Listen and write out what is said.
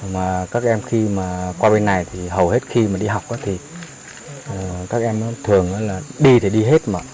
mà các em khi mà qua bên này thì hầu hết khi mà đi học thì các em thường đi thì đi hết mà